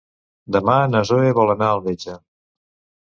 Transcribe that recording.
Demà na Zoè vol anar al metge.